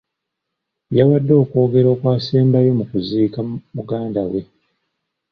Yawadde okwogera okwasembayo mu kuziika muganda we.